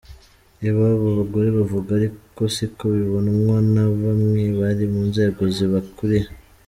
Ibi aba bagore bavuga ariko siko bibonwa na bamwe bari mu nzego zibakuriye.